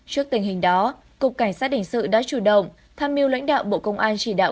trước tình hình đó cục cảnh sát hình sự đã chủ động tham mưu lãnh đạo bộ công an chỉ đạo